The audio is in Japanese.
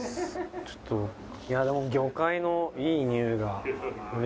ちょっといやでも魚介のいいニオイがね